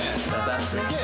すげえ。